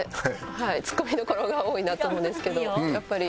ツッコミどころが多いなと思うんですけどやっぱり。